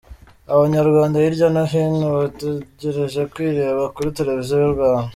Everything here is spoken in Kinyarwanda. Abanyarwanda hirya no hino bategereje kwireba kuri Televiziyo y’u Rwanda.